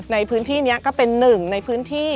ในพื้นที่นี้ก็เป็นหนึ่งในพื้นที่